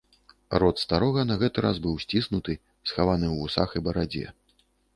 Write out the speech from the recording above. Рот старога на гэты раз быў сціснуты, схаваны ў вусах і барадзе.